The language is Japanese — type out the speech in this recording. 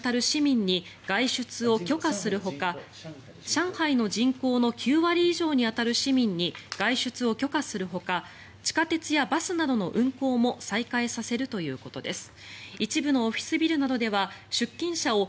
上海の人口の９割以上に当たる市民に外出を許可するほか地下鉄やバスなどの運行も再開させるということです。